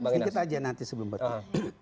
sedikit aja nanti sebelum betah